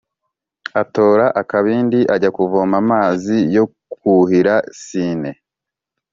atora akabindi, ajya kuvoma amazi yo kuhira sine.